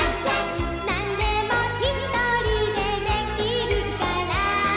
「何でもひとりでできるから」